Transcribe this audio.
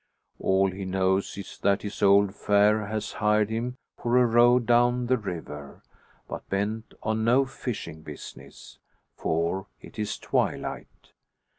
All he knows is that his old fare has hired him for a row down the river, but bent on no fishing business. For it is twilight.